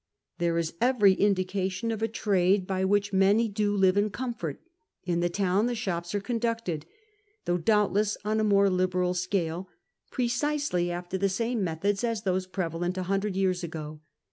There is every indication of a trade by which many do live in comfort ; in tlie town the sliops are conducted — though doubtless on a inoic liberal scale precisely after the same methods as those j)i'evalent a hundred years ago.